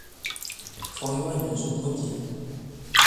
從一萬元紓困金